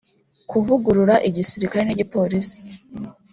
kuvugurura igisirikare n’igipolisi